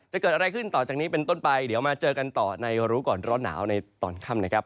จะเกิดอะไรขึ้นต่อจากนี้เป็นต้นไปเดี๋ยวมาเจอกันต่อในรู้ก่อนร้อนหนาวในตอนค่ำนะครับ